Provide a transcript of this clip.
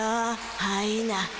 はいな。